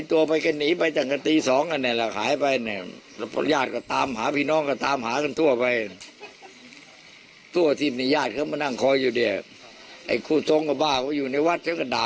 ไอ่ขู่ทรงอบบ้าเหอะว่าอยู่ในวัฒน์เดี๋ยวก็ด่าม่อนเหอะ